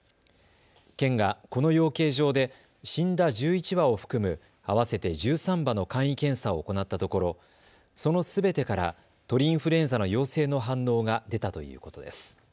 県がこの養鶏場で死んだ１１羽を含む合わせて１３羽の簡易検査を行ったところ、そのすべてから鳥インフルエンザの陽性の反応が出たということです。